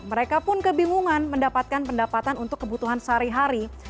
mereka pun kebingungan mendapatkan pendapatan untuk kebutuhan sehari hari